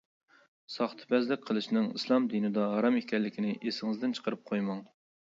ساختىپەزلىك قىلىشنىڭ ئىسلام دىنىدا ھارام ئىكەنلىكىنى ئېسىڭىزدىن چىقىرىپ قويماڭ.